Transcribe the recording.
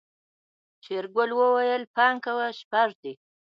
شېرګل وويل پاو کم شپږ دي.